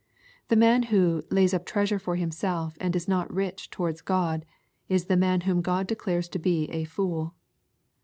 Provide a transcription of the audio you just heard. The man who " lays up treasure for himself, and is not rich towards God," is the man whom God declares to be a " fool."